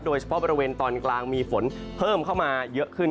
โดยเฉพาะบริเวณตอนกลางมีฝนเพิ่มเข้ามาเยอะขึ้น